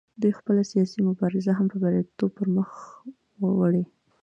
دوی خپله سیاسي مبارزه هم په بریالیتوب پر مخ وړي